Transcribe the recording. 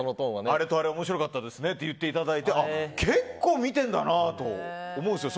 あれとあれ面白かったですねって言っていただいて結構見てるんだなと思うんですよ。